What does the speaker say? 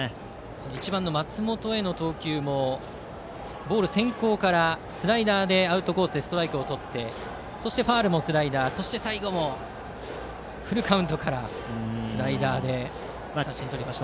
１番の松本への投球もボール先行からスライダーでアウトコースでストライクをとってそして、ファウルもスライダーそして最後もフルカウントからスライダーで三振とりました。